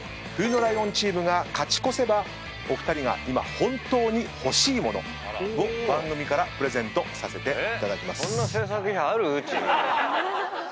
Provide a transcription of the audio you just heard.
冬のライオンチームが勝ち越せばお二人が今本当に欲しい物を番組からプレゼントさせていただきます。